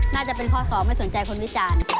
น่าจะเป็นข้อสองไม่สนใจคนวิจารณ์